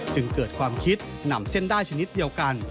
จึงเกิดความคิดนำเส้นได้ชนิดเดียวกัน